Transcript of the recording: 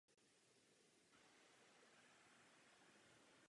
Pravomoci prezidenta tak přešly na vládu.